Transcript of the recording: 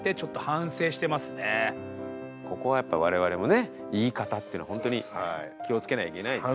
ここはやっぱ我々もね言い方というのを本当に気をつけなきゃいけないですよ。